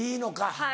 はい。